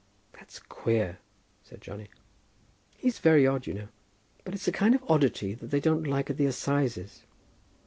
"That's queer," said Johnny. "He is very odd, you know." "But it's a kind of oddity that they don't like at the assizes."